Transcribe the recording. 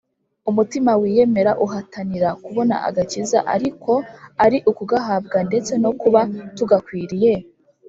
umutima wiyemera uhatanira kubona agakiza, ariko ari ukugahabwa ndetse no kuba tugakwiriye,